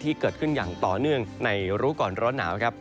ที่เกิดขึ้นอย่างต่อเนื่องในรู้ก่อนร้อนหนาวครับ